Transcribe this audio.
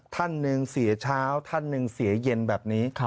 ท่านหนึ่งเสียเช้าท่านหนึ่งเสียเย็นแบบนี้